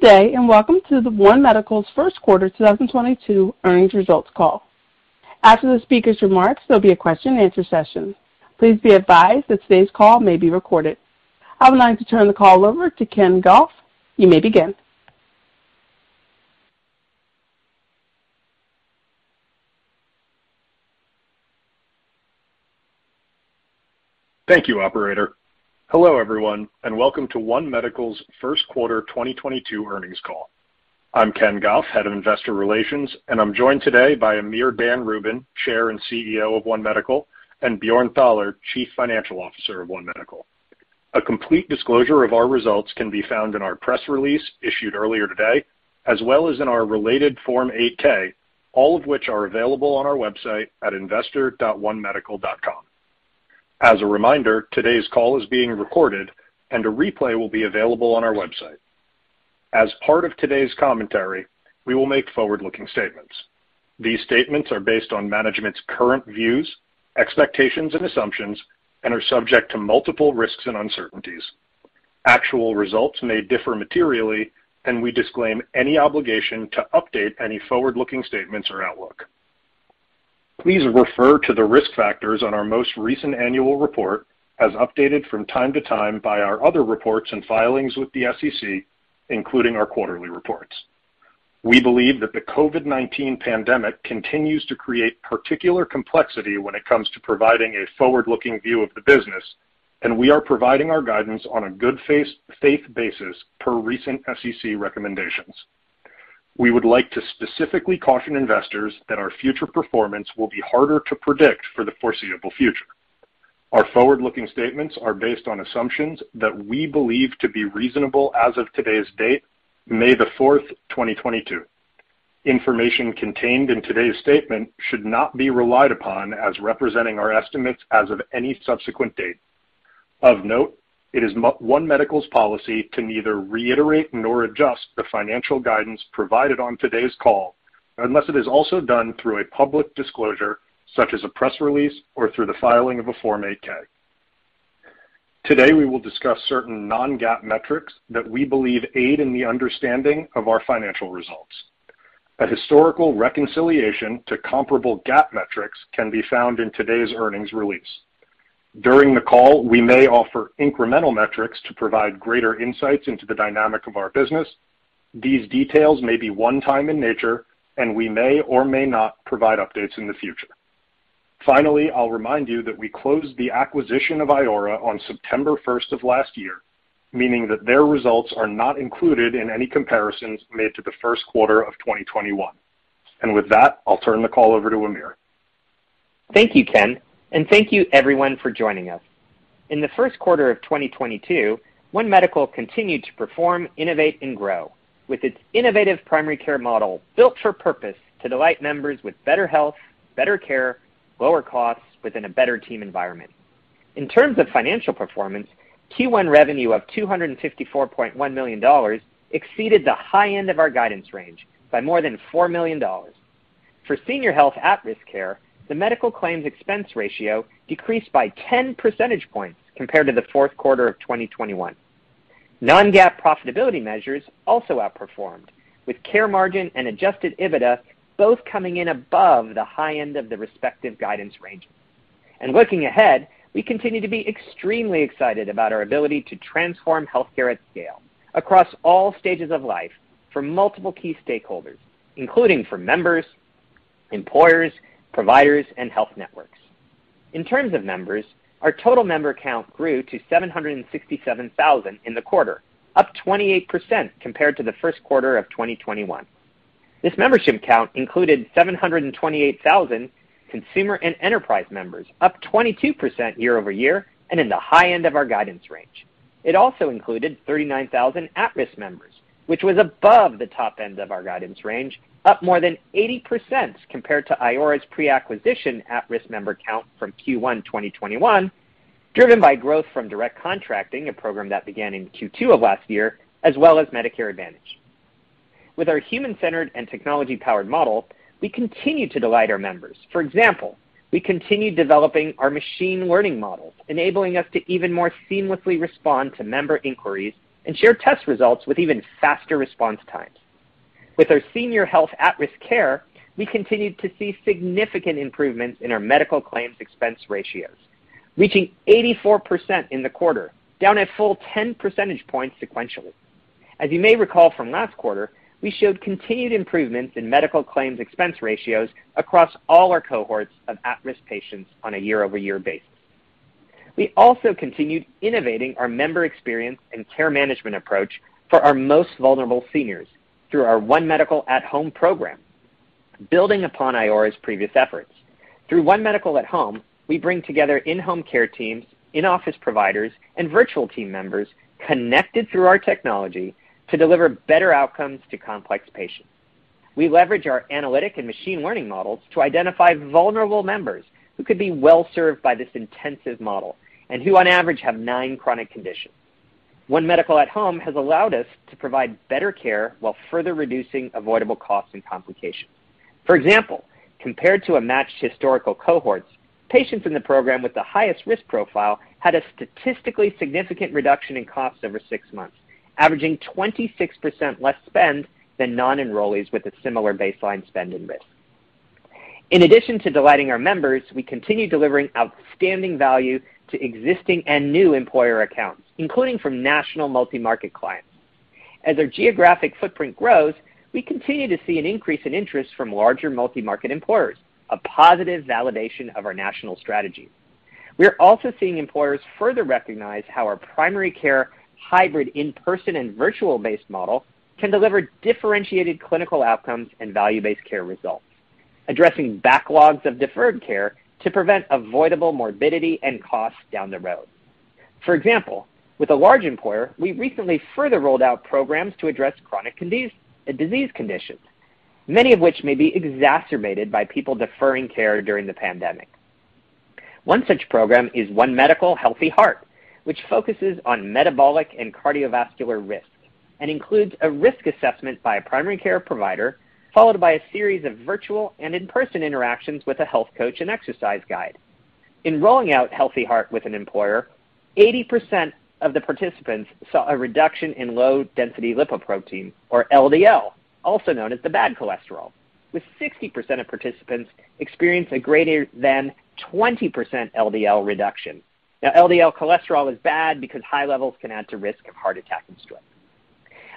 Good day, and welcome to the One Medical's first quarter 2022 Earnings Results Call. After the speaker's remarks, there'll be a question and answer session. Please be advised that today's call may be recorded. I would like to turn the call over to Ken Goff. You may begin. Thank you, operator. Hello, everyone, and Welcome to One Medical's first quarter 2022 Earnings Call. I'm Ken Goff, Head of Investor Relations, and I'm joined today by Amir Dan Rubin, Chair and CEO of One Medical, and Bjorn Thaler, Chief Financial Officer of One Medical. A complete disclosure of our results can be found in our press release issued earlier today, as well as in our related Form 8-K, all of which are available on our website at investor.onemedical.com. As a reminder, today's call is being recorded and a replay will be available on our website. As part of today's commentary, we will make forward-looking statements. These statements are based on management's current views, expectations and assumptions and are subject to multiple risks and uncertainties. Actual results may differ materially, and we disclaim any obligation to update any forward-looking statements or outlook. Please refer to the risk factors on our most recent annual report as updated from time to time by our other reports and filings with the SEC, including our quarterly reports. We believe that the COVID-19 pandemic continues to create particular complexity when it comes to providing a forward-looking view of the business, and we are providing our guidance on a good faith basis per recent SEC recommendations. We would like to specifically caution investors that our future performance will be harder to predict for the foreseeable future. Our forward-looking statements are based on assumptions that we believe to be reasonable as of today's date, May the 4th, 2022. Information contained in today's statement should not be relied upon as representing our estimates as of any subsequent date. Of note, it is One Medical's policy to neither reiterate nor adjust the financial guidance provided on today's call unless it is also done through a public disclosure, such as a press release or through the filing of a Form 8-K. Today, we will discuss certain non-GAAP metrics that we believe aid in the understanding of our financial results. A historical reconciliation to comparable GAAP metrics can be found in today's earnings release. During the call, we may offer incremental metrics to provide greater insights into the dynamic of our business. These details may be one time in nature, and we may or may not provide updates in the future. Finally, I'll remind you that we closed the acquisition of Iora on September 1st of last year, meaning that their results are not included in any comparisons made to the first quarter of 2021. With that, I'll turn the call over to Amir. Thank you, Ken, and thank you everyone for joining us. In the first quarter of 2022, One Medical continued to perform, innovate, and grow with its innovative primary care model built for purpose to delight members with better health, better care, lower costs within a better team environment. In terms of financial performance, Q1 revenue of $254.1 million exceeded the high end of our guidance range by more than $4 million. For senior health At-Risk care, the Medical Claims Expense Ratio decreased by 10 percentage points compared to the fourth quarter of 2021. Non-GAAP profitability measures also outperformed, with Care Margin and Adjusted EBITDA both coming in above the high end of the respective guidance ranges. Looking ahead, we continue to be extremely excited about our ability to transform healthcare at scale across all stages of life for multiple key stakeholders, including for members, employers, providers, and health networks. In terms of members, our total member count grew to 767,000 in the quarter, up 28% compared to the first quarter of 2021. This membership count included 728,000 Consumer and Enterprise Members, up 22% year-over-year, and in the high end of our guidance range. It also included 39,000 At-Risk Members, which was above the top end of our guidance range, up more than 80% compared to Iora's pre-acquisition At-Risk member count from Q1 2021, driven by growth from Direct Contracting, a program that began in Q2 of last year, as well as Medicare Advantage. With our human-centered and technology-powered model, we continue to delight our members. For example, we continue developing our machine learning models, enabling us to even more seamlessly respond to member inquiries and share test results with even faster response times. With our senior health At-Risk care, we continued to see significant improvements in our Medical Claims Expense Ratios, reaching 84% in the quarter, down a full 10 percentage points sequentially. As you may recall from last quarter, we showed continued improvements in Medical Claims Expense Ratios across all our cohorts of At-Risk patients on a year-over-year basis. We also continued innovating our member experience and care management approach for our most vulnerable seniors through our One Medical At Home program, building upon Iora's previous efforts. Through One Medical At Home, we bring together in-home care teams, in-office providers, and virtual team members connected through our technology to deliver better outcomes to complex patients. We leverage our analytic and machine learning models to identify vulnerable members who could be well-served by this intensive model and who, on average, have nine chronic conditions. One Medical At Home has allowed us to provide better care while further reducing avoidable costs and complications. For example, compared to a matched historical cohorts, patients in the program with the highest risk profile had a statistically significant reduction in costs over six months, averaging 26% less spend than non-enrollees with a similar baseline spend and risk. In addition to delighting our members, we continue delivering outstanding value to existing and new employer accounts, including from national multi-market clients. As our geographic footprint grows, we continue to see an increase in interest from larger multi-market employers, a positive validation of our national strategy. We are also seeing employers further recognize how our primary care hybrid in-person and virtual-based model can deliver differentiated clinical outcomes and value-based care results, addressing backlogs of deferred care to prevent avoidable morbidity and costs down the road. For example, with a large employer, we recently further rolled out programs to address chronic disease conditions, many of which may be exacerbated by people deferring care during the pandemic. One such program is One Medical Healthy Heart, which focuses on metabolic and cardiovascular risks, and includes a risk assessment by a primary care provider, followed by a series of virtual and in-person interactions with a health coach and exercise guide. In rolling out Healthy Heart with an employer, 80% of the participants saw a reduction in low-density lipoprotein or LDL, also known as the bad cholesterol, with 60% of participants experienced a greater than 20% LDL reduction. Now, LDL cholesterol is bad because high levels can add to risk of heart attack and stroke.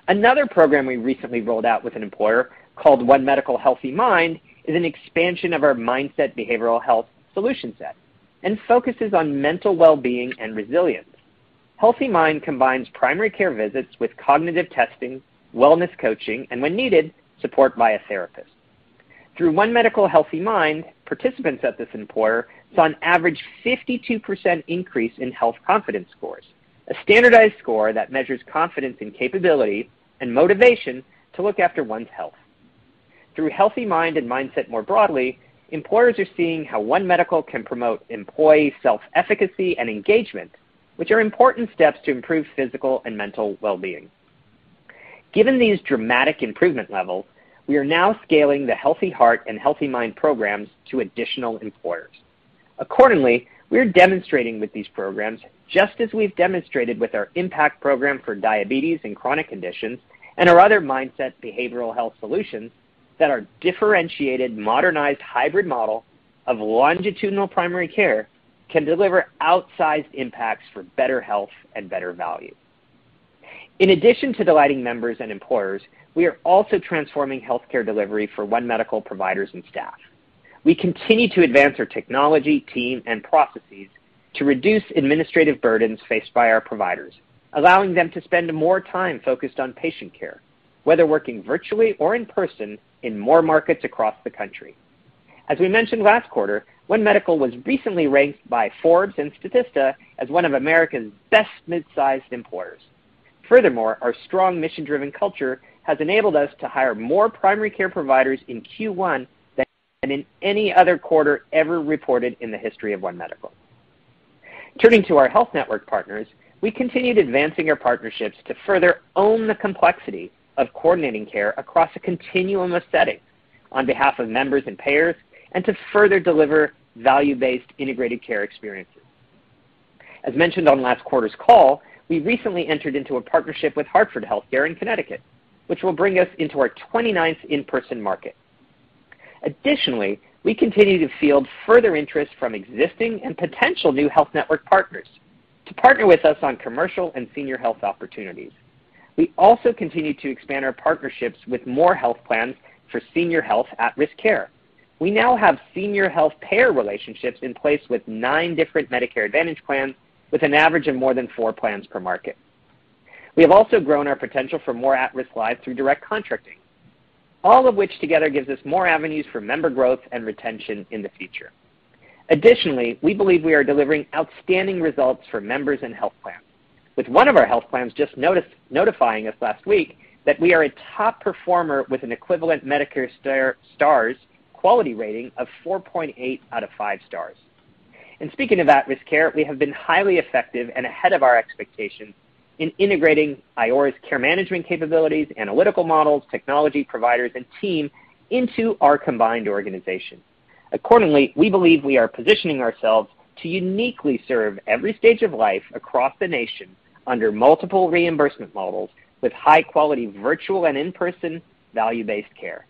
Another program we recently rolled out with an employer called One Medical Healthy Mind is an expansion of our Mindset behavioral health solution set and focuses on mental well-being and resilience. Healthy Mind combines primary care visits with cognitive testing, wellness coaching, and when needed, support by a therapist. Through One Medical Healthy Mind, participants at this employer saw an average 52% increase in health confidence scores, a standardized score that measures confidence in capability and motivation to look after one's health. Through Healthy Mind and Mindset more broadly, employers are seeing how One Medical can promote employee self-efficacy and engagement, which are important steps to improve physical and mental well-being. Given these dramatic improvement levels, we are now scaling the Healthy Heart and Healthy Mind programs to additional employers. Accordingly, we're demonstrating with these programs, just as we've demonstrated with our Impact program for diabetes and chronic conditions and our other Mindset behavioral health solutions that are differentiated, modernized, hybrid model of longitudinal primary care can deliver outsized impacts for better health and better value. In addition to delighting members and employers, we are also transforming healthcare delivery for One Medical providers and staff. We continue to advance our technology, team, and processes to reduce administrative burdens faced by our providers, allowing them to spend more time focused on patient care, whether working virtually or in person in more markets across the country. As we mentioned last quarter, One Medical was recently ranked by Forbes and Statista as one of America's best mid-sized employers. Furthermore, our strong mission-driven culture has enabled us to hire more primary care providers in Q1 than in any other quarter ever reported in the history of One Medical. Turning to our health network partners, we continued advancing our partnerships to further own the complexity of coordinating care across a continuum of settings on behalf of members and payers, and to further deliver value-based integrated care experiences. As mentioned on last quarter's call, we recently entered into a partnership with Hartford HealthCare in Connecticut, which will bring us into our 29th in-person market. Additionally, we continue to field further interest from existing and potential new health network partners to partner with us on commercial and senior health opportunities. We also continue to expand our partnerships with more health plans for senior health At-Risk care. We now have senior health payer relationships in place with nine different Medicare Advantage plans, with an average of more than four plans per market. We have also grown our potential for more At-Risk lives through Direct Contracting, all of which together gives us more avenues for member growth and retention in the future. Additionally, we believe we are delivering outstanding results for members and health plans, with one of our health plans just notifying us last week that we are a top performer with an equivalent Medicare Star Ratings quality rating of 4.8 out of five stars. Speaking of At-Risk care, we have been highly effective and ahead of our expectations in integrating Iora's care management capabilities, analytical models, technology providers, and team into our combined organization. Accordingly, we believe we are positioning ourselves to uniquely serve every stage of life across the nation under multiple reimbursement models with high-quality virtual and in-person value-based care.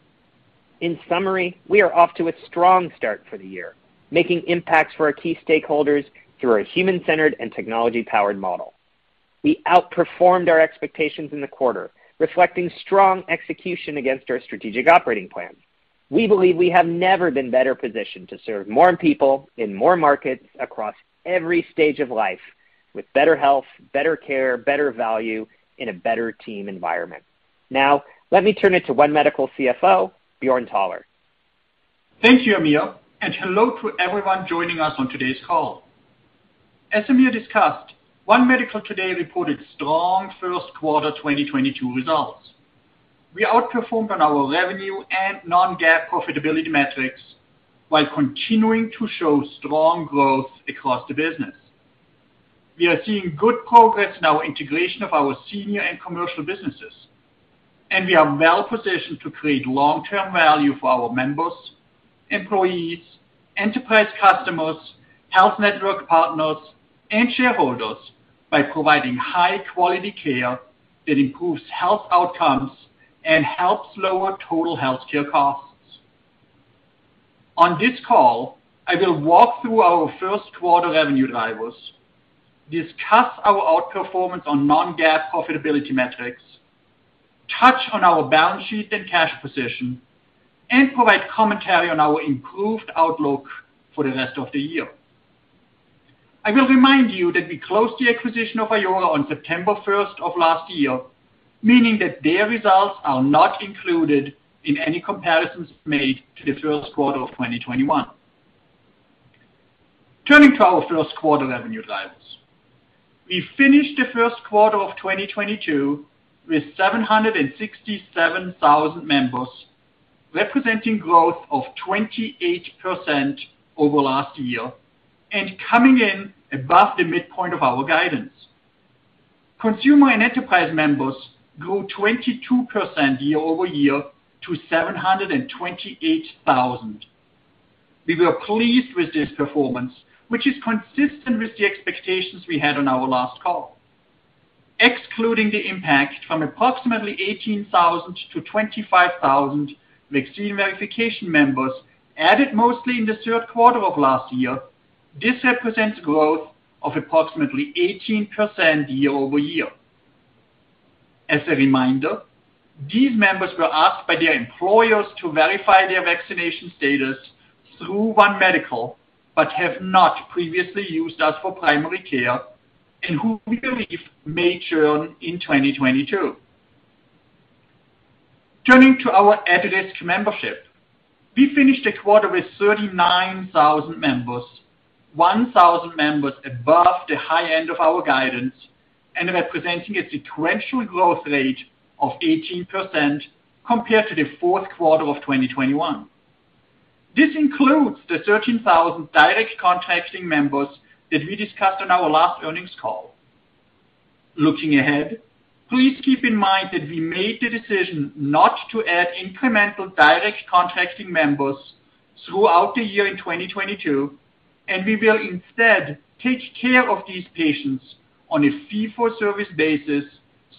In summary, we are off to a strong start for the year, making impacts for our key stakeholders through our human-centered and technology-powered model. We outperformed our expectations in the quarter, reflecting strong execution against our strategic operating plan. We believe we have never been better positioned to serve more people in more markets across every stage of life with better health, better care, better value, in a better team environment. Now, let me turn it over to One Medical CFO, Bjorn Thaler. Thank you, Amir, and hello to everyone joining us on today's call. As Amir discussed, One Medical today reported strong first quarter 2022 results. We outperformed on our revenue and non-GAAP profitability metrics while continuing to show strong growth across the business. We are seeing good progress in our integration of our senior and commercial businesses, and we are well positioned to create long-term value for our members, employees, enterprise customers, health network partners, and shareholders by providing high quality care that improves health outcomes and helps lower total health care costs. On this call, I will walk through our first quarter revenue drivers, discuss our outperformance on non-GAAP profitability metrics, touch on our balance sheet and cash position, and provide commentary on our improved outlook for the rest of the year. I will remind you that we closed the acquisition of Iora Health on September 1st of last year, meaning that their results are not included in any comparisons made to the first quarter of 2021. Turning to our first quarter revenue drivers. We finished the first quarter of 2022 with 767,000 members, representing growth of 28% over last year and coming in above the midpoint of our guidance. Consumer and Enterprise Members grew 22% year-over-year to 728,000. We were pleased with this performance, which is consistent with the expectations we had on our last call. Excluding the impact from approximately 18,000-25,000 vaccine verification members added mostly in the third quarter of last year, this represents growth of approximately 18% year-over-year. As a reminder, these members were asked by their employers to verify their vaccination status through One Medical, but have not previously used us for primary care and who we believe may churn in 2022. Turning to our At-Risk Membership. We finished the quarter with 39,000 members, 1,000 members above the high end of our guidance, and representing a sequential growth rate of 18% compared to the fourth quarter of 2021. This includes the 13,000 Direct Contracting members that we discussed on our last earnings call. Looking ahead, please keep in mind that we made the decision not to add incremental Direct Contracting members throughout the year in 2022, and we will instead take care of these patients on a fee-for-service basis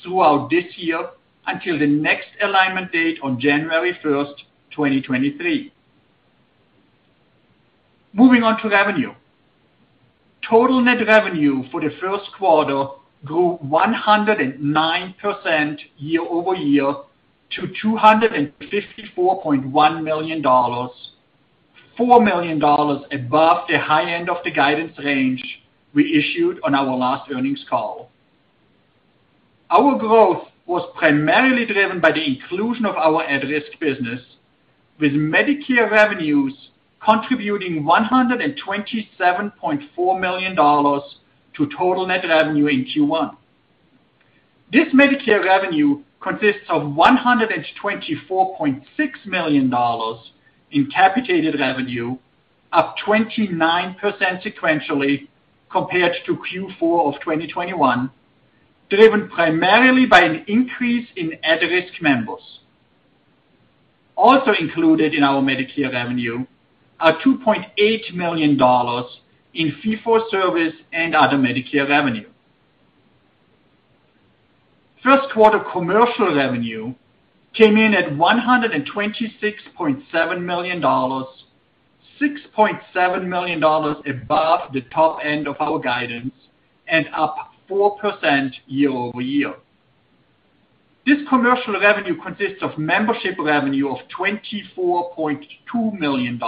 throughout this year until the next alignment date on January 1st, 2023. Moving on to revenue. Total net revenue for the first quarter grew 109% year-over-year to $254.1 million, 4 million above the high end of the guidance range we issued on our last earnings call. Our growth was primarily driven by the inclusion of our At-Risk business, with Medicare Revenues contributing $127.4 million to total net revenue in Q1. This Medicare Revenue consists of $124.6 million in Capitated Revenue, up 29% sequentially compared to Q4 of 2021, driven primarily by an increase in At-Risk members. Also included in our Medicare Revenue are $2.8 million in fee-for-service and other Medicare Revenue. First quarter commercial revenue came in at $126.7 million, 6.7 million above the top end of our guidance and up 4% year-over-year. This commercial revenue consists of membership revenue of $24.2 million,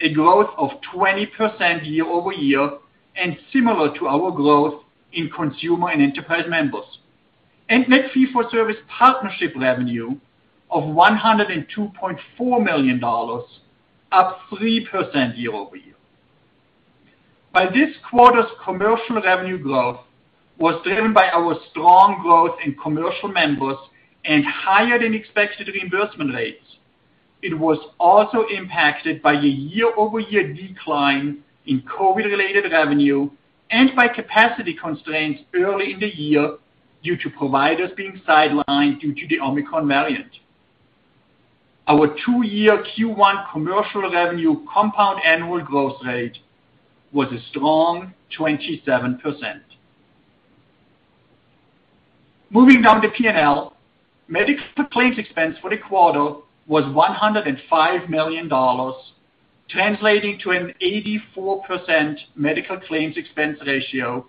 a growth of 20% year-over-year, and similar to our growth in Consumer and Enterprise Members. Net fee-for-service partnership revenue of $102.4 million, up 3% year-over-year. But this quarter's commercial revenue growth was driven by our strong growth in commercial members and higher-than-expected reimbursement rates. It was also impacted by a year-over-year decline in COVID-related revenue and by capacity constraints early in the year due to providers being sidelined due to the Omicron variant. Our two-year Q1 commercial revenue compound annual growth rate was a strong 27%. Moving on to P&L. Medical claims expense for the quarter was $105 million, translating to an 84% Medical Claims Expense Ratio,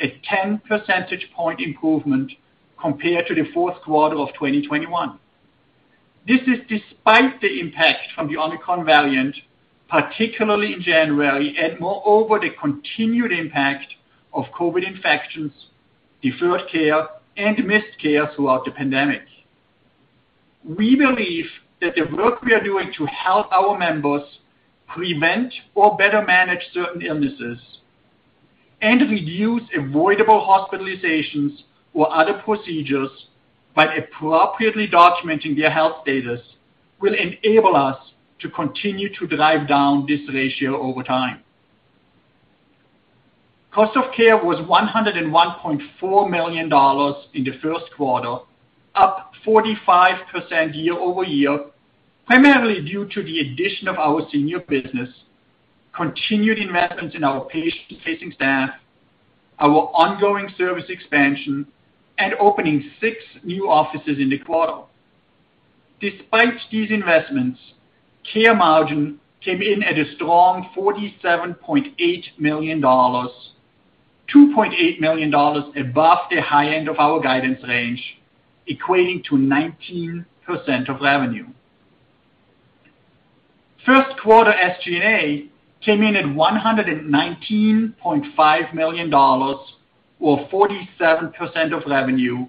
a 10 percentage point improvement compared to the fourth quarter of 2021. This is despite the impact from the Omicron variant, particularly in January, and moreover, the continued impact of COVID infections, deferred care, and missed care throughout the pandemic. We believe that the work we are doing to help our members prevent or better manage certain illnesses and reduce avoidable hospitalizations or other procedures by appropriately documenting their health status will enable us to continue to drive down this ratio over time. Cost of care was $101.4 million in the first quarter, up 45% year-over-year, primarily due to the addition of our senior business, continued investments in our patient-facing staff, our ongoing service expansion, and opening six new offices in the quarter. Despite these investments, Care Margin came in at a strong $47.8 million, 2.8 million above the high end of our guidance range, equating to 19% of revenue. First quarter SG&A came in at $119.5 million, or 47% of revenue,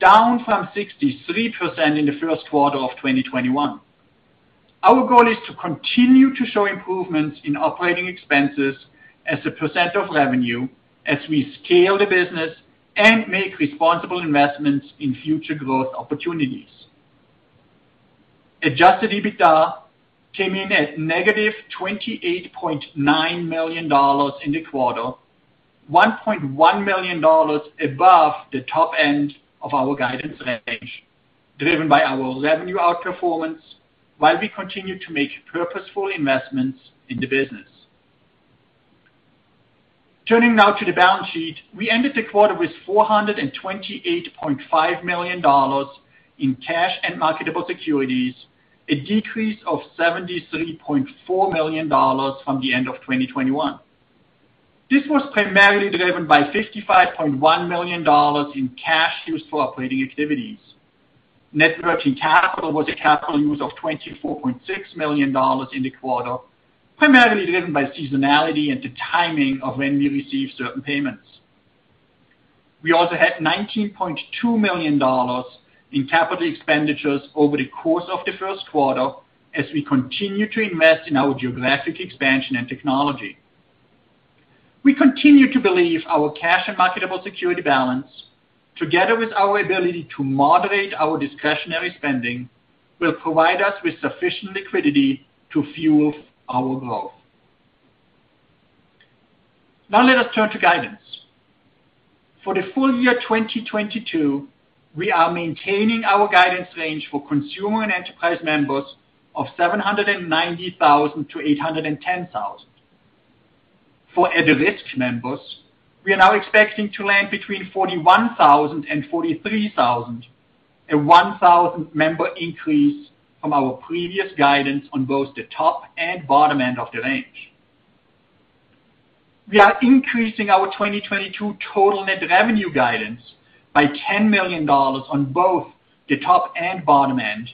down from 63% in the first quarter of 2021. Our goal is to continue to show improvements in operating expenses as a percent of revenue as we scale the business and make responsible investments in future growth opportunities. Adjusted EBITDA came in at negative $28.9 million in the quarter, $1.1 million above the top end of our guidance range, driven by our revenue outperformance while we continue to make purposeful investments in the business. Turning now to the balance sheet. We ended the quarter with $428.5 million in Cash and Marketable Securities, a decrease of $73.4 million from the end of 2021. This was primarily driven by $55.1 million in cash used for operating activities. Net working capital was a capital use of $24.6 million in the quarter, primarily driven by seasonality and the timing of when we receive certain payments. We also had $19.2 million in capital expenditures over the course of the first quarter as we continue to invest in our geographic expansion and technology. We continue to believe our cash and marketable security balance, together with our ability to moderate our discretionary spending, will provide us with sufficient liquidity to fuel our growth. Now let us turn to guidance. For the full year 2022, we are maintaining our guidance range for Consumer and Enterprise Members of 790,000-810,000. For At-Risk Members, we are now expecting to land between 41,000 and 43,000, a 1,000-member increase from our previous guidance on both the top and bottom end of the range. We are increasing our 2022 total net revenue guidance by $10 million on both the top and bottom end,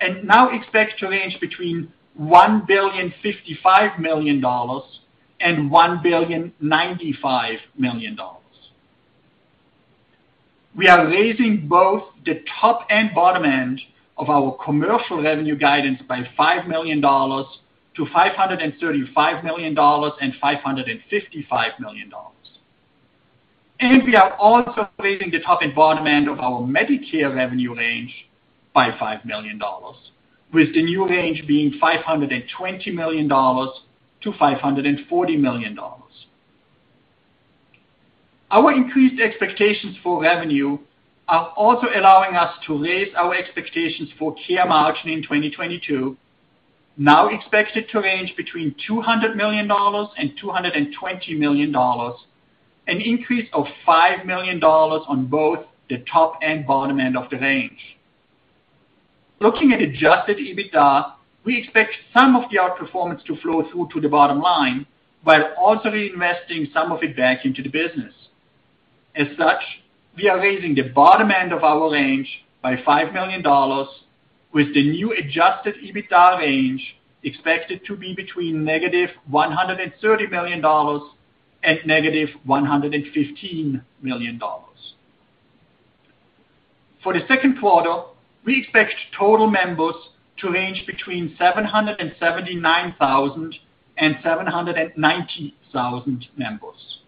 and now expect to range between $1.055 billion and 1.095 billion. We are raising both the top and bottom end of our commercial revenue guidance by $5 million to 535 million and $555 million. We are also raising the top and bottom end of our Medicare Revenue range by $5 million, with the new range being $520 million to 540 million. Our increased expectations for revenue are also allowing us to raise our expectations for Care Margin in 2022, now expected to range between $200 million and 220 million, an increase of $5 million on both the top and bottom end of the range. Looking at Adjusted EBITDA, we expect some of the outperformance to flow through to the bottom line while also reinvesting some of it back into the business. As such, we are raising the bottom end of our range by $5 million, with the new Adjusted EBITDA range expected to be between -$130 million and -115 million. For the second quarter, we expect total members to range between 779,000 and 790,000 members.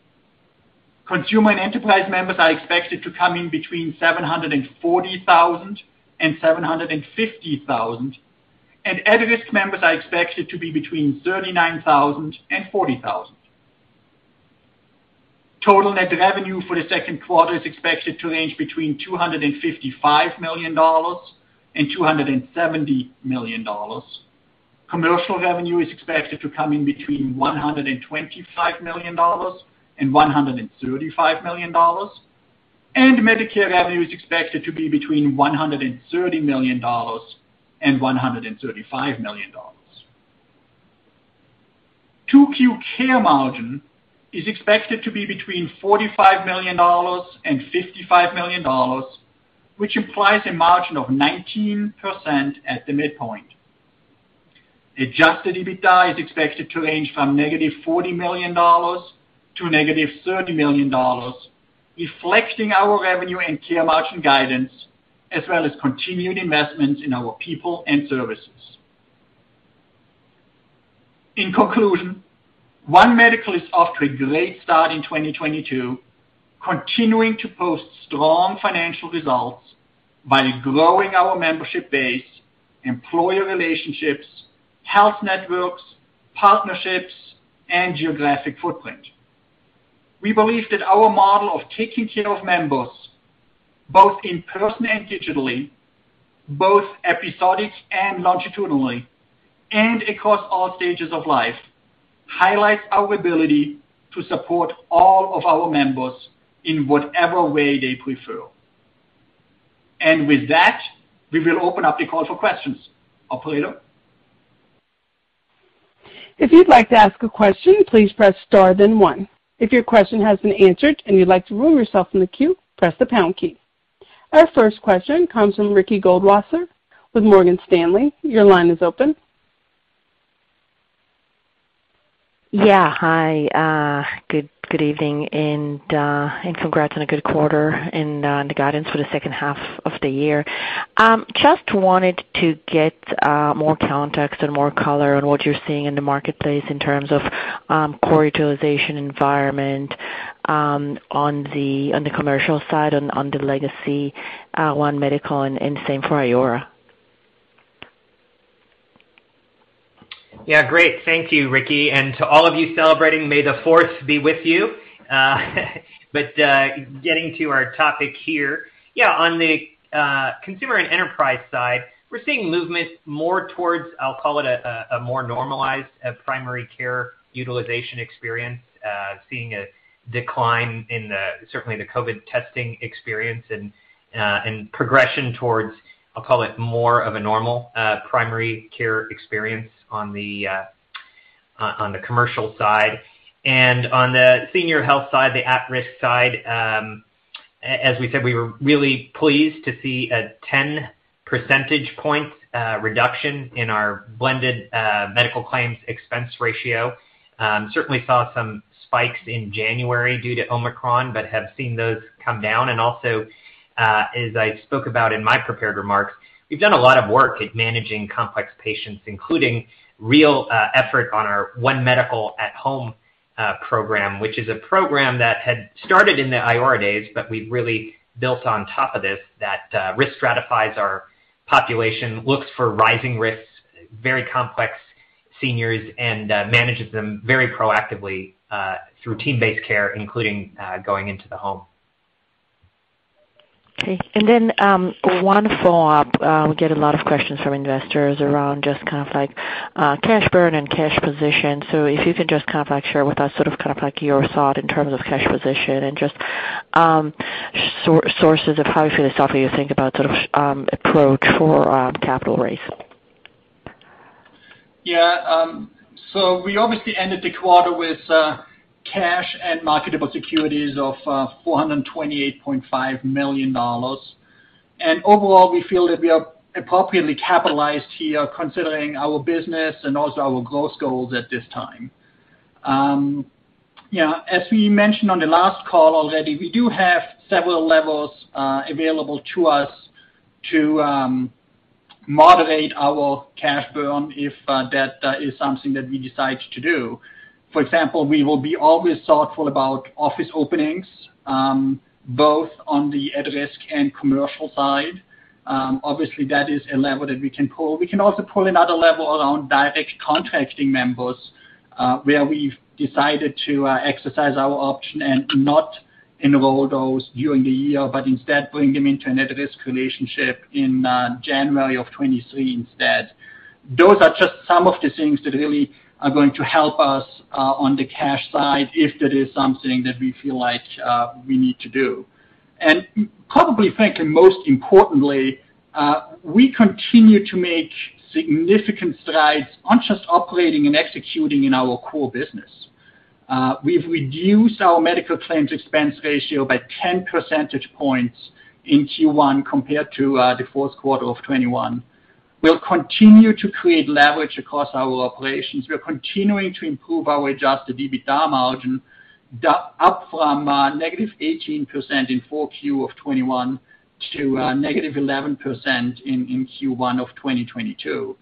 Consumer and Enterprise Members are expected to come in between 740,000 and 750,000. At-Risk Members are expected to be between 39,000 and 40,000. Total net revenue for the second quarter is expected to range between $255 million and 270 million. Commercial revenue is expected to come in between $125 million and 135 million. Medicare Revenue is expected to be between $130 million and 135 million. 2Q Care Margin is expected to be between $45 million and 55 million, which implies a margin of 19% at the midpoint. Adjusted EBITDA is expected to range from -$40 million to -30 million, reflecting our revenue and Care Margin guidance as well as continued investments in our people and services. In conclusion, One Medical is off to a great start in 2022, continuing to post strong financial results by growing our membership base, employer relationships, health networks, partnerships, and geographic footprint. We believe that our model of taking care of members, both in person and digitally, both episodic and longitudinally, and across all stages of life, highlights our ability to support all of our members in whatever way they prefer. With that, we will open up the call for questions. Operator? If you'd like to ask a question, please press star then one. If your question has been answered and you'd like to remove yourself from the queue, press the pound key. Our first question comes from Ricky Goldwasser with Morgan Stanley. Your line is open. Yeah. Hi, good evening. Congrats on a good quarter and the guidance for the second half of the year. Just wanted to get more context and more color on what you're seeing in the marketplace in terms of core utilization environment on the commercial side, on the legacy One Medical and same for Iora? Yeah. Great. Thank you, Ricky. To all of you celebrating, may the force be with you. Getting to our topic here. Yeah, on the Consumer and Enterprise side, we're seeing movement more towards. I'll call it a more normalized primary care utilization experience, seeing a decline in certainly the COVID testing experience and progression towards. I'll call it more of a normal primary care experience on the commercial side. On the senior health side, the At-Risk side, as we said, we were really pleased to see a 10 percentage point reduction in our blended Medical Claims Expense Ratio. Certainly saw some spikes in January due to Omicron, but have seen those come down. Also, as I spoke about in my prepared remarks, we've done a lot of work at managing complex patients, including real effort on our One Medical At Home program, which is a program that had started in the Iora days, but we've really built on top of this that risk stratifies our population, looks for rising risks, very complex seniors, and manages them very proactively through team-based care, including going into the home. Okay. One follow-up. We get a lot of questions from investors around just kind of like cash burn and cash position. If you could just kind of like share with us sort of kind of like your thought in terms of cash position and just sources of how you feel this offer you think about sort of approach for capital raise. Yeah. We obviously ended the quarter with Cash and Marketable Securities of $428.5 million. Overall, we feel that we are appropriately capitalized here considering our business and also our growth goals at this time. Yeah, as we mentioned on the last call already, we do have several levers available to us to moderate our cash burn if that is something that we decide to do. For example, we will be always thoughtful about office openings both on the At-Risk and commercial side. Obviously, that is a lever that we can pull. We can also pull another lever around Direct Contracting members, where we've decided to exercise our option and not enroll those during the year, but instead bring them into an At-Risk relationship in January of 2023 instead. Those are just some of the things that really are going to help us on the cash side if that is something that we feel like we need to do. Probably, frankly, most importantly, we continue to make significant strides on just operating and executing in our core business. We've reduced our Medical Claims Expense Ratio by 10 percentage points in Q1 compared to the fourth quarter of 2021. We'll continue to create leverage across our operations. We are continuing to improve our Adjusted EBITDA margin up from negative 18% in full Q of 2021 to negative 11% in Q1 of 2022.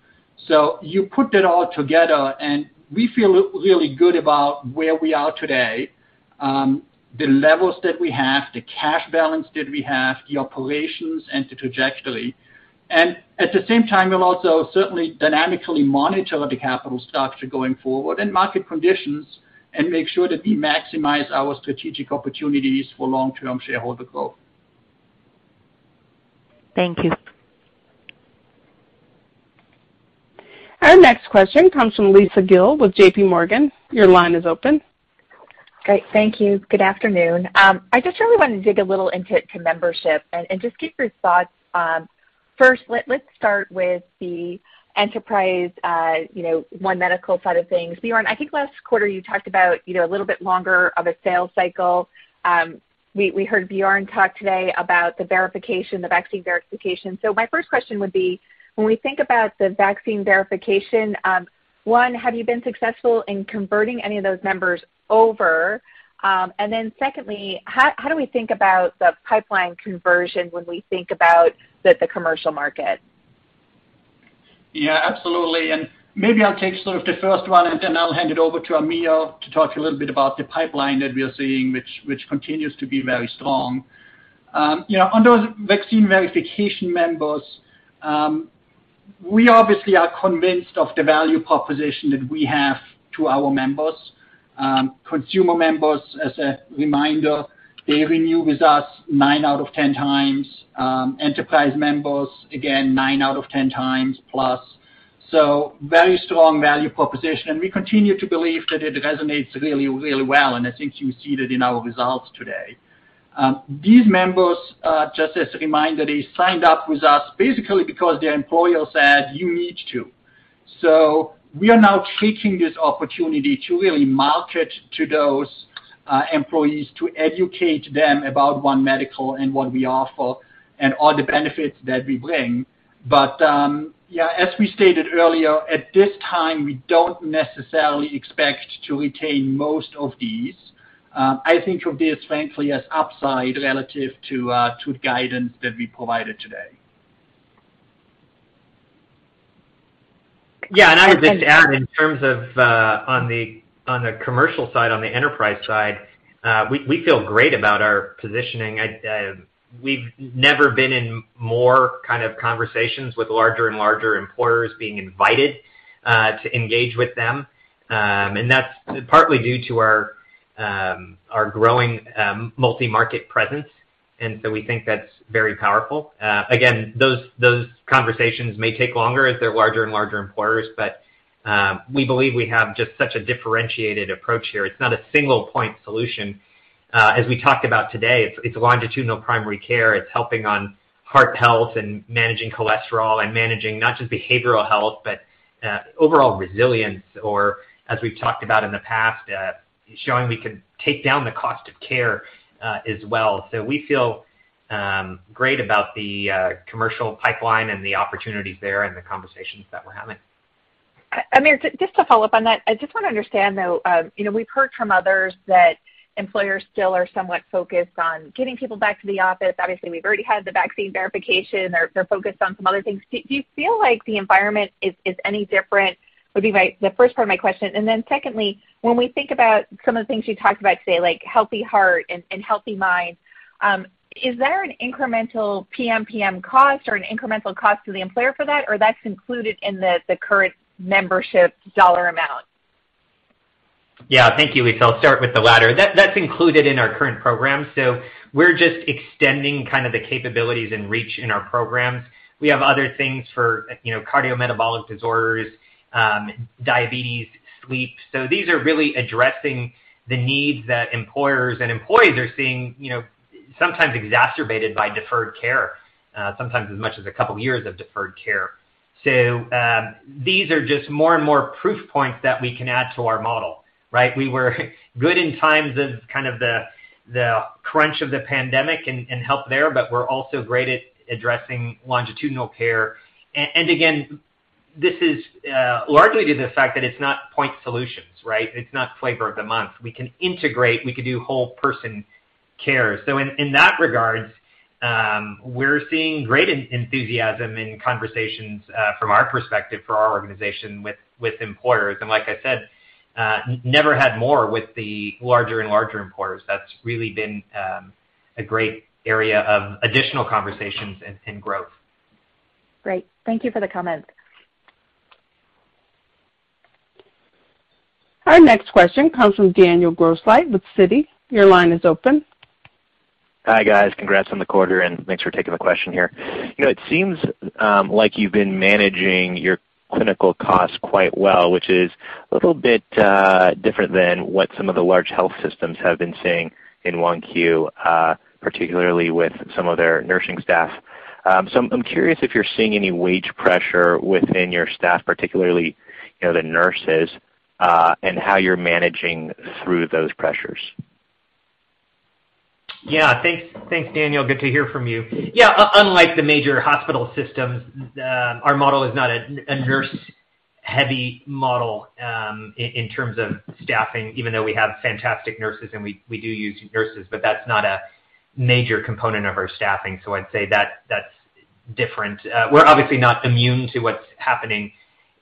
You put that all together, and we feel really good about where we are today, the levels that we have, the cash balance that we have, the operations and the trajectory. At the same time, we'll also certainly dynamically monitor the capital structure going forward and market conditions and make sure that we maximize our strategic opportunities for long-term shareholder growth. Thank you. Our next question comes from Lisa Gill with JP Morgan. Your line is open. Great. Thank you. Good afternoon. I just really wanna dig a little into membership and just get your thoughts. First, let's start with the enterprise, you know, One Medical side of things. Bjorn, I think last quarter you talked about, you know, a little bit longer of a sales cycle. We heard Bjorn talk today about the verification, the vaccine verification. My first question would be: when we think about the vaccine verification, one, have you been successful in converting any of those members over? And then secondly, how do we think about the pipeline conversion when we think about the commercial market? Yeah, absolutely. Maybe I'll take sort of the first one, and then I'll hand it over to Amir to talk a little bit about the pipeline that we are seeing, which continues to be very strong. You know, on those vaccine verification members, we obviously are convinced of the value proposition that we have to our members. Consumer members, as a reminder, they renew with us 9x out of 10x, enterprise members, again, 9x out of 10x plus. Very strong value proposition, and we continue to believe that it resonates really, really well, and I think you see that in our results today. These members, just as a reminder, they signed up with us basically because their employer said, "You need to." We are now taking this opportunity to really market to those employees to educate them about One Medical and what we offer and all the benefits that we bring. As we stated earlier, at this time, we don't necessarily expect to retain most of these. I think it would be, frankly, an upside relative to the guidance that we provided today. Yeah. I would just add in terms of, on the commercial side, on the enterprise side, we feel great about our positioning. We've never been in more kind of conversations with larger and larger employers being invited to engage with them. That's partly due to our growing multi-market presence, and so we think that's very powerful. Again, those conversations may take longer as they're larger and larger employers, but we believe we have just such a differentiated approach here. It's not a single point solution. As we talked about today, it's longitudinal primary care. It's helping on heart health and managing cholesterol and managing not just behavioral health, but overall resilience, or as we've talked about in the past, showing we can take down the cost of care, as well. We feel great about the commercial pipeline and the opportunities there and the conversations that we're having. Amir, just to follow up on that, I just wanna understand, though, you know, we've heard from others that employers still are somewhat focused on getting people back to the office. Obviously, we've already had the vaccine verification. They're focused on some other things. Do you feel like the environment is any different? That would be the first part of my question. Then secondly, when we think about some of the things you talked about today, like Healthy Heart and Healthy Mind, is there an incremental PMPM cost or an incremental cost to the employer for that, or is that included in the current membership dollar amount? Yeah. Thank you, Lisa. I'll start with the latter. That's included in our current program. We're just extending kind of the capabilities and reach in our programs. We have other things for, you know, cardiometabolic disorders, diabetes, sleep. These are really addressing the needs that employers and employees are seeing, you know, sometimes exacerbated by deferred care, sometimes as much as a couple of years of deferred care. These are just more and more proof points that we can add to our model, right? We were good in times of kind of the crunch of the pandemic and help there, but we're also great at addressing longitudinal care. And again, this is largely to the fact that it's not point solutions, right? It's not flavor of the month. We can integrate, we can do whole person care. In that regards, we're seeing great enthusiasm in conversations from our perspective for our organization with employers. Like I said, never had more with the larger and larger employers. That's really been a great area of additional conversations and growth. Great. Thank you for the comment. Our next question comes from Daniel Grosslight with Citi. Your line is open. Hi, guys. Congrats on the quarter, and thanks for taking the question here. You know, it seems like you've been managing your clinical costs quite well, which is a little bit different than what some of the large health systems have been seeing in 1Q, particularly with some of their nursing staff. I'm curious if you're seeing any wage pressure within your staff, particularly, you know, the nurses, and how you're managing through those pressures. Yeah. Thanks, Daniel. Good to hear from you. Yeah. Unlike the major hospital systems, our model is not a nurse heavy model in terms of staffing, even though we have fantastic nurses and we do use nurses, but that's not a major component of our staffing. I'd say that's different. We're obviously not immune to what's happening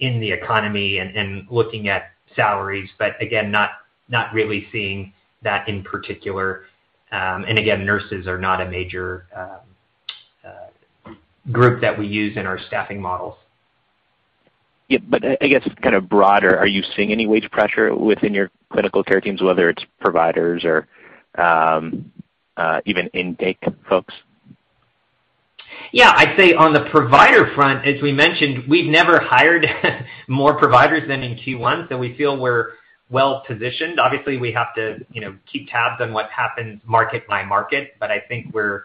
in the economy and looking at salaries, but again, not really seeing that in particular. And again, nurses are not a major group that we use in our staffing models. Yeah. I guess kind of broader, are you seeing any wage pressure within your clinical care teams, whether it's providers or even intake folks? Yeah. I'd say on the provider front, as we mentioned, we've never hired more providers than in Q1, so we feel we're well positioned. Obviously, we have to, you know, keep tabs on what happens market by market, but I think we're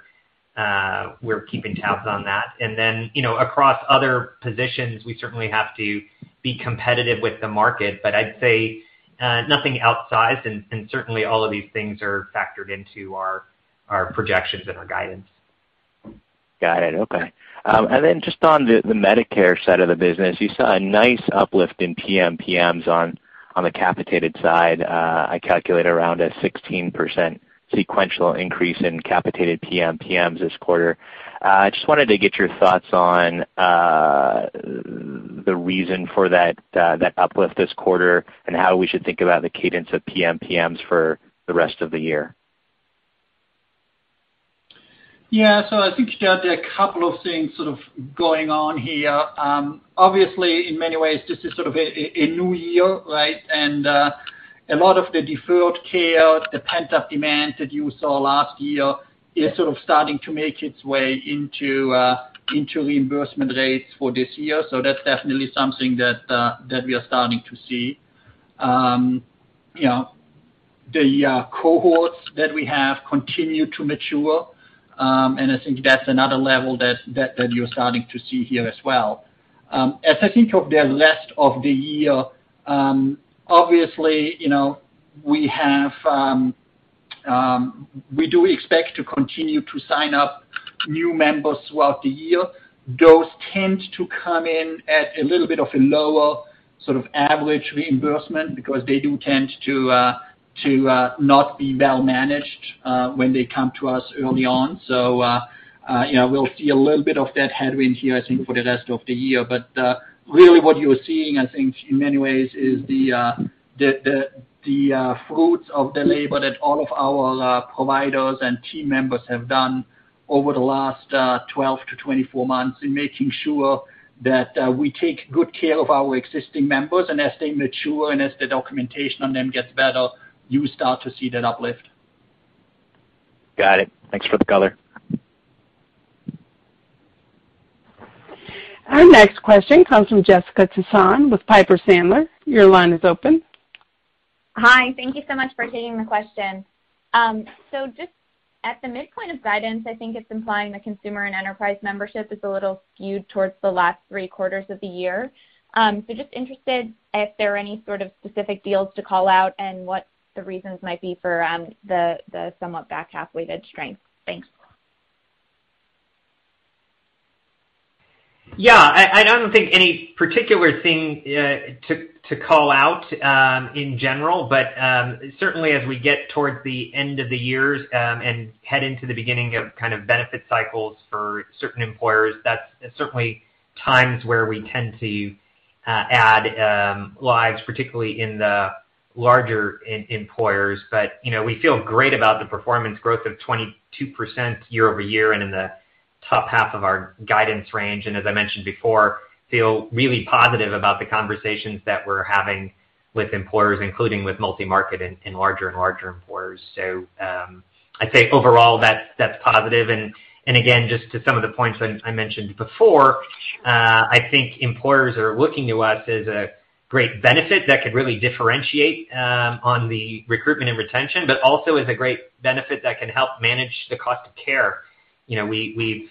keeping tabs on that. Then, you know, across other positions, we certainly have to be competitive with the market. I'd say nothing outsized and certainly all of these things are factored into our projections and our guidance. Got it. Okay. Just on the Medicare side of the business, you saw a nice uplift in PMPMs on the capitated side. I calculate around a 16% sequential increase in capitated PMPMs this quarter. Just wanted to get your thoughts on the reason for that uplift this quarter and how we should think about the cadence of PMPMs for the rest of the year. Yeah. I think there are a couple of things sort of going on here. Obviously, in many ways, this is sort of a new year, right? A lot of the deferred care, the pent-up demand that you saw last year is sort of starting to make its way into reimbursement rates for this year. That's definitely something that we are starting to see. You know, the cohorts that we have continue to mature, and I think that's another level that you're starting to see here as well. As I think of the rest of the year, obviously, you know, we do expect to continue to sign up new members throughout the year. Those tend to come in at a little bit of a lower sort of average reimbursement because they do tend to not be well managed when they come to us early on. Yeah, we'll see a little bit of that headwind here, I think, for the rest of the year. Really what you're seeing, I think, in many ways is the fruits of the labor that all of our providers and team members have done over the last 12-24 months in making sure that we take good care of our existing members. As they mature and as the documentation on them gets better, you start to see that uplift. Got it. Thanks for the color. Our next question comes from Jessica Tassan with Piper Sandler. Your line is open. Hi. Thank you so much for taking the question. Just at the midpoint of guidance, I think it's implying the Consumer and Enterprise Membership is a little skewed towards the last three quarters of the year. Just interested if there are any sort of specific deals to call out and what the reasons might be for the somewhat back half weighted strength. Thanks. Yeah. I don't think any particular thing to call out in general. Certainly as we get towards the end of the year and head into the beginning of kind of benefit cycles for certain employers, that's certainly times where we tend to add lives, particularly in the larger employers. You know, we feel great about the performance growth of 22% year-over-year and in the top half of our guidance range, and as I mentioned before, feel really positive about the conversations that we're having with employers, including with multi-market and larger and larger employers. I'd say overall that's positive. Again, just to some of the points I mentioned before, I think employers are looking to us as a great benefit that could really differentiate on the recruitment and retention, but also as a great benefit that can help manage the cost of care. You know, we've